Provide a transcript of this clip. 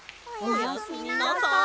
おやすみなさい。